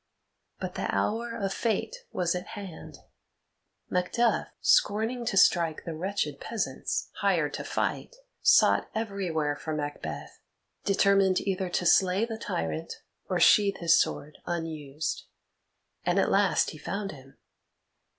But the hour of fate was at hand. Macduff, scorning to strike the wretched peasants, hired to fight, sought everywhere for Macbeth, determined either to slay the tyrant or sheathe his sword unused. And at last he found him.